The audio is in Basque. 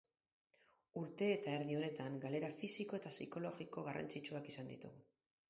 Urte eta erdi honetan galera fisiko eta psikologiko garrantzitsuak izan ditugu.